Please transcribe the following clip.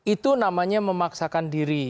itu namanya memaksakan diri